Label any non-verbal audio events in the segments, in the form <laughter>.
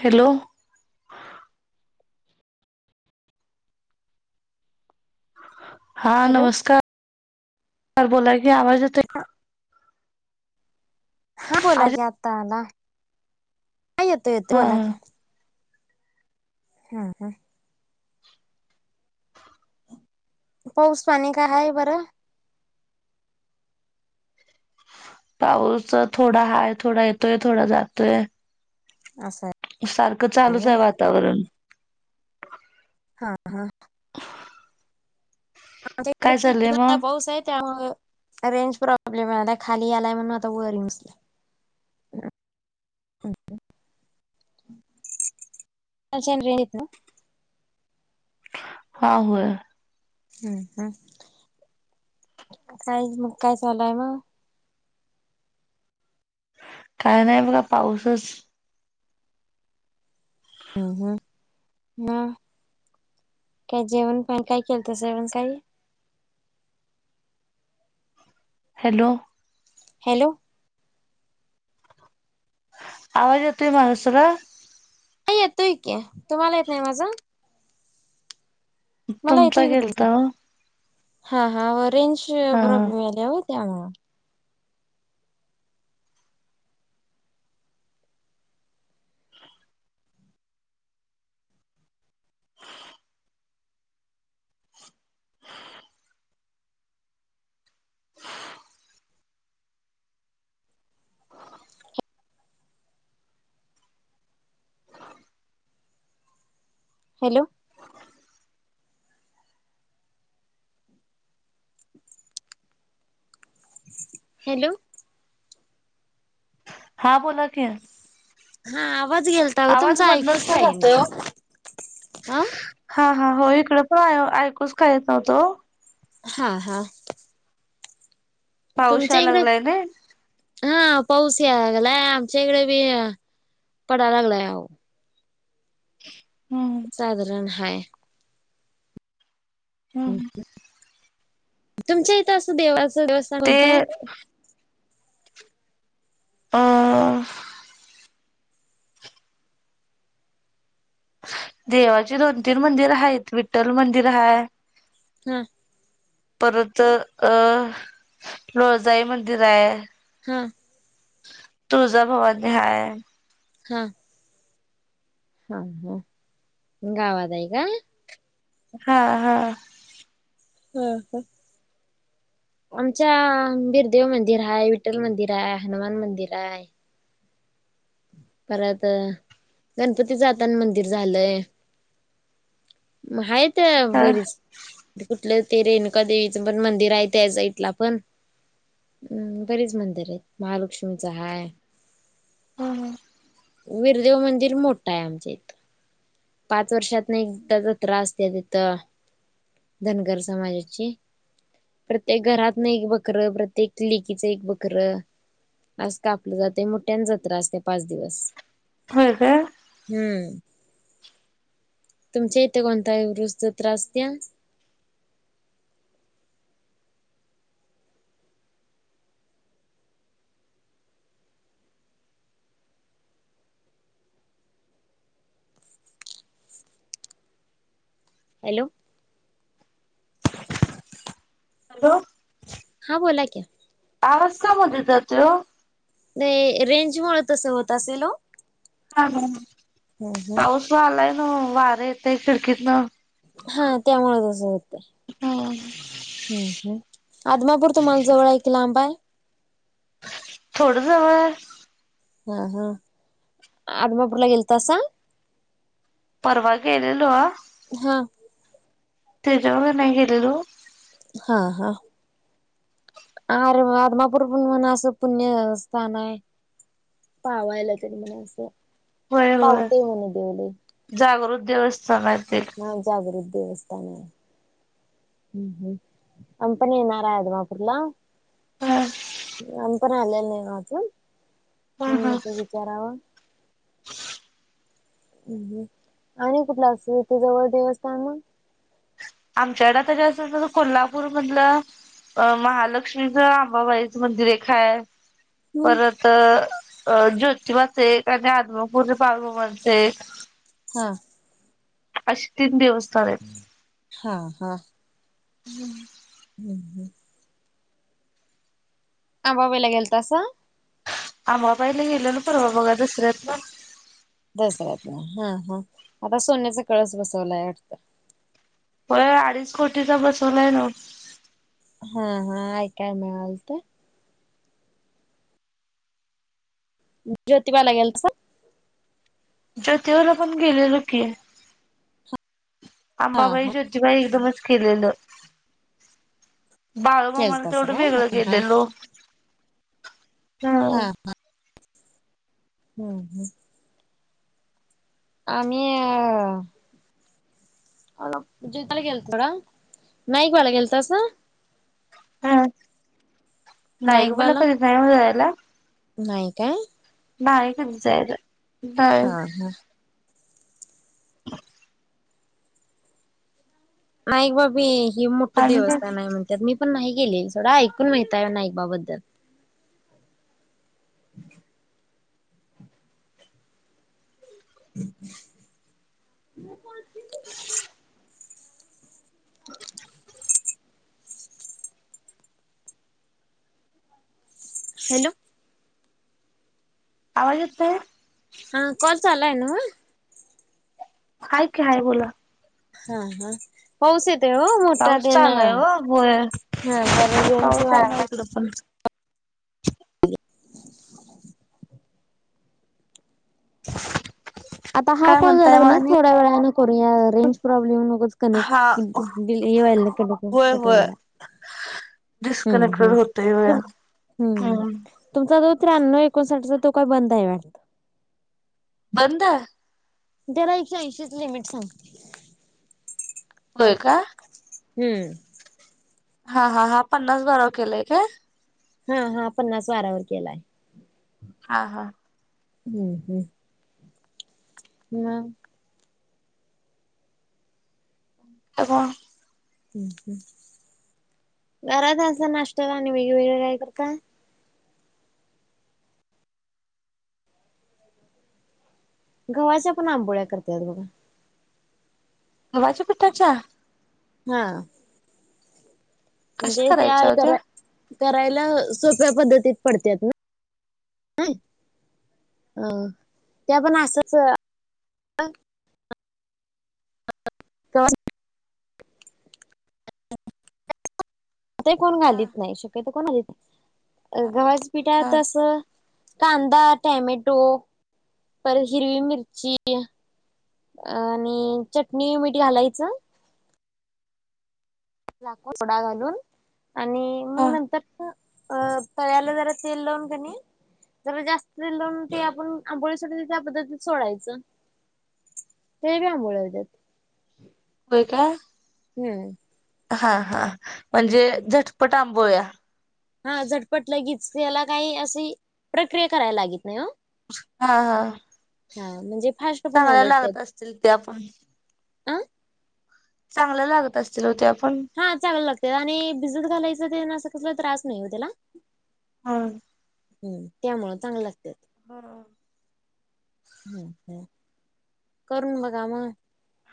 Hello हां hello नमस्कार बोला की आवाज येतोय का? हां बोला की आत्ता आला. हां येतो येतो हा बोला हा की. हम्म हम्म. पाऊस, पाणी काय हाय बरं? पाऊस थोडा हाय थोडा येतोय थोडा जातोय. असं सारखं चालूच आहे वातावरण. हां हां आमच्या काय चाललंय इकडे मग पाऊस आहे त्यामुळं रेंज प्रॉब्लेम यायलाय खाली यालाय म्हणून आता वर येऊन बसलोय. कालच्यान रेंज येत नाही ओ. हां होय. हम्म हम्म काय मग काय चालू आहे मग? काय नाही बघा पाऊसच. हम्म हम्म हम्म काय जेवण, पाणी काय केलतसा सकाळी हॅलो हॅलो आवाज येतोय माझा सगळा हा येतोय की तुम्हाला येत नाही माझं. मला तुमचा येतोय की तुमचं गेलता ओ हा हा रेंज हा हा प्रॉब्लेम आल्या हो त्यामुळे ह हॅलो हॅलो हा बोला कि हा आवाज गेलता हो तुमचं ऐकूच का काही येईना जातोय ओ हा हा हा हो इकड पण ऐकूच काय येत नव्हतं ओ हा हा पाऊस तुमच्या यायला इकडे लागलाय नाही हा पाऊस यायला लागलाय आमच्या इकडे बी पडाय लागलाय. हम्म साधारण हाय हम्म ह तुमच्या इथं असं देवाचं देवस्थान ते कोणतं हाय? अअअअअ देवाची दोन तीन मंदिर आहेत. विठ्ठल मंदिर हाय हा परत अं लोळजाई मंदिर आहे. हा तुळजाभवानी हाय. हा हा हा गावात आहे काय. हा हा हम हा आमच्या बिरदेव मंदिर आहे. विठ्ठल मंदिर आहे. हनुमान मंदिर आहे. परत गणपतीच आता आणि मंदिर झालंय. आहेत हा बरीच. इथं ते रेणुका देवीच पण मंदिर आहे. त्यासाईडला पण, अम् बरीच मंदिर आहेत महालक्ष्मीच हाय! हम ह. बिरदेव मंदिर मोठा आहे आमच्या इथं. पाच वर्षात नाही एकदाच जत्रा असत्या तिथं धनगर समाजाची. प्रत्येक घरातन एक बकररं, प्रत्येक लेकीच एक बकर आज कापलं जाते मोठ्यां जत्रा असते पाच दिवस. होय काय? हम्म. तुमच्या इथे कोणताही उरूस जत्रा असत्या? <inaudible> हॅलो! हॅलो! हा बोला की? आवाज का मध्ये चा जातंय ओ? नाही रेंज मुळ तस होत असेल हो. हा ना पाऊस आलाय ना वार येत खिडकीतन. हा त्यामुळ तस होतय, हम्म हम् हम्. अदमापूर तुम्हाला जवळ की लांब आहे? थोडं जवळ आहे. हा हा आदमापूरला गेलतासा? परवा गेलेलो. हा! त्याच्यावर नाही गेलेलो. हा हा अरे वा आदमापूर म्हण असं पुण्य स्थान आहे. पावायला तरी म्हणे असं होय होय पावतय म्हणे देवल ते. जागृत देवस्थान आहेत. नाय जागृत देवस्थान, ह् ह् आम्ही पण येणार आहे आदमापूरला. हा. आमी पण आलेल नाही अजून म्हणून हा म्हणलं विचारावं. हम् आणि कुठला अस इथे जवळ देवस्थान मग? आमच्याकड तरी अस कोल्हापूर मधलं अ महालक्ष्मीच, आंबाबाईचं मंदिर एक हाय हम्म परत अं ज्योतिबाचे एक आणि आदमापूरच्या बाळूमामाचे एक हां! अशी तीन देवस्थान आहेत. हा हा. हम्म! हम्म हम्. अंबाबाईला गेलता सा? अंबाबाईला गेलेलो परवा बघा दसऱ्यात पण दसऱ्यात ना हा हा आता सोन्याचा कळस बसवलाय वाटतं? हो अडीच कोटीचा बसवलाय नव. हा हा ऐकाया मिळालत. ज्योतिबाला गेलतासा? ज्योतिबाला पण गेलेलो की. हा अंबाबाई हा ज्योतिबाई एकदमच केलेलं. बाळूमामाला केलतासा तेवढं काय हा वेगळं हा गेलेलो. हा! हम्म हम्म आम्ही अ अ जेताला गेलो थोडा नाईकवाला गेलतासा? हा नाईक मला नाईकबाला कधी नाही हो जायला. नाही काय? नाही कधी जायला. हा हा. नाईक बाबी ही मोठं आणि काय देवस्थान आहे म्हणतात मी पण नाही. गेले सोडं ऐकून माहताय नाईबाबद्दल. म मम अ हॅलो आवाज येतोय? हा कॉल चालू आहे नव? हाय की हाय बोला. हा हा पाऊस येत- पाऊस चाल आहे व पा तर रेंज पाऊस चालू आहे इकडे पण. ह <unintelligible> <unintelligible> ह <inaudible> आता हा काय कॉल झाला म्हणताय क मग नाही आणि थोड्या वेळाने करू या, रेंज प्रॉब्लेम नकच कनेक्ट हा <unintelligible> कड होय होय कटवायला <inaudible> हम्म.... डिस्कनेक्टेड हम् होतय होय तुम हम्म... तुमचा जो- त्र्यान्नव एकोणसाठचा तो काय बंद आहे वाटत, बंद, त्याला एकशे ऐंशीच लिमिट सांगते. होय का? हम्म... हा- हा- हा पन्नास बार केलाय काय? हा- हा पन्नास वारावर केलाय, हा- हा हम्म.. हम्म.. हम <unintelligible> अ... घरात असं नाष्ट आणि वेगवेगळे काय कर का? गव्हाच्या पण आंबोळ्या करतात बघा. वाज पिठच्या- हा... कशा म्हणजे त्या करायच्या होत्या करा, करायला सोप्या पद्धतीत पडतात ना. ह अ त्या पण असंच- तर... आता कोण हा घालीत नाही शकत्यो कोण घालीत नाही, हा गव्हाच्या हा पिठात असं- कांदा टमेटो पर हिरवी मिर्ची- अ आणि चटणी मीठ घालायचं, थोडा घालून आणि हा मग नंतर- अ पळ्याला जरा तेल लावून कणी - ज जास्त लोणती ते आपण आंबोळीसाठी त्या पद्धतीत सोडायचं. ते ब आबळतात. य का हा- हा म्हणजे झटपट आ- बया, हा झटपट लगेच त्याला काही अशी प्रक्रिया करायला लागत नाही हो. हा- हा म्हणजे फास्ट पण चांगल्या उलटत्यात. लागत असतील, ते आपण अ चांगलं लागत असल हो ते हा चांगल लागते, आणि भिझत घालायचं ते अस कसला त्रास नाही हो त्याला हम.. हम्म त्यामुळं चांगले लागतय हा. हम्म... हम्, करून बघा मग,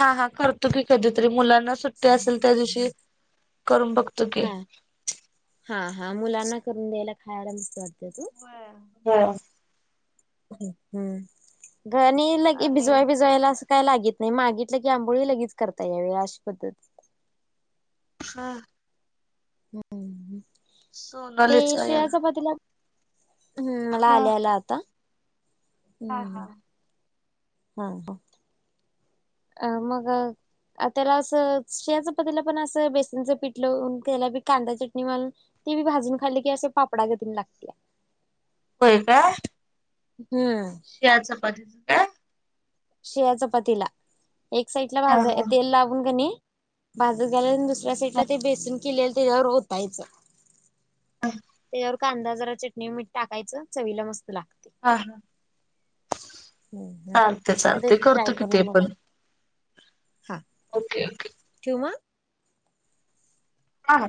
हा- हा करतो की कधीतरी मुलांना सुट्टी असेल, त्या दिवशी करून बघतो की. हा- हा- हा मुलांना करून द्यायला खायला मस्त वाटतय ह.. हा.. हम् गणी लगे आणि भिजवाय, भिजवायला असं काय लागत नाही मागितलं की आंबोळी लगेच करता या व अश पद्धती हा... हम्म... ते सोनालीच श्रेया याला च पातेल हम्म... मला हा. आले ला आता, हा- हा हा आ मग आ त्याला असं शिळ्या चपातली पण असं बेसनच पिठल लाऊन त्याला बी कांदा चटणी मलून ते बी भाजून खाल्ली की असे पापडा घतीन लागत्या होय काय? हम्म. <inaudible> शिळ्या चपातीला एक साइड ला हा भाजा हा. तेल लागून कणी भाजून गेल्या दुसऱ्या साईडला ते बेसून केलेलं त्याच्यावर ओतायचं. त्याच्यावर कांदा जरा चटणी मीठ टाकायचं चवीला मस्त लागत. ह हा. हम्म हम्म चालतय चालतय कधी ट्राय करतो किती करून बघा पण. हा. Okay okay. <inaudible> हा